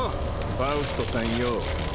ファウストさんよ。